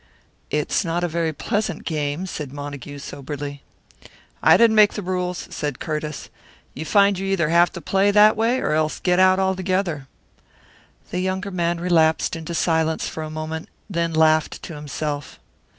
"It's not a very pleasant game," said Montague, soberly. "I didn't make the rules," said Curtiss. "You find you either have to play that way or else get out altogether." The younger man relapsed into silence for a moment, then laughed to himself.